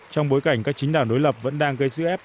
trong bối cảnh các chính đảng đối lập vẫn đang gây sức ép